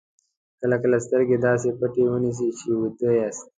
کله کله سترګې داسې پټې ونیسئ چې ویده یاست.